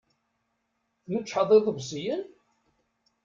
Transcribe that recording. Tmeččḥeḍ iḍebsiyen?